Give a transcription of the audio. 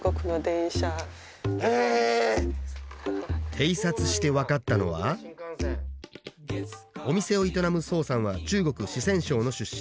偵察して分かったのはお店を営む宋さんは中国四川省の出身。